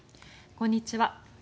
こんにちは。